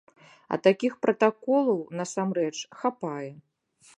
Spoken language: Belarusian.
А такіх пратаколаў, насамрэч, хапае.